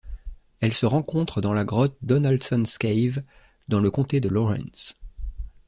Elle se rencontre dans la grotte Donaldson's Cave dans le comté de Lawrence.